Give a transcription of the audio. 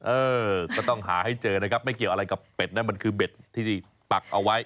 เออก็ต้องหาให้เจอนะครับไม่เกี่ยวอะไรกับเป็ดนะมันคือเบ็ดที่ปักเอาไว้